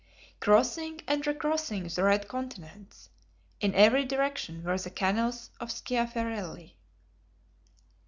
Crossing and recrossing the red continents, in every direction, were the canals of Schiaparelli.